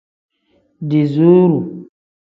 Diiziru.